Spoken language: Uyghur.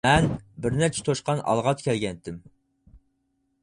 -مەن بىر نەچچە توشقان ئالغاچ كەلگەنىدىم.